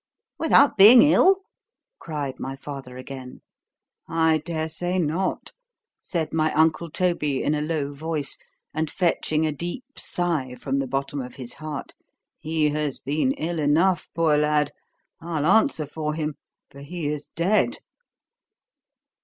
_—Without being ill? cried my father again.—I dare say not, said my uncle Toby, in a low voice, and fetching a deep sigh from the bottom of his heart, he has been ill enough, poor lad! I'll answer for him——for he is dead.